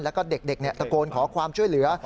แล้วก็เด็กตะโกนขอความช่วยเหลือ